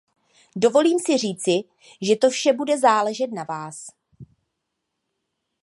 Dovolím si říci, že to vše bude záležet na vás.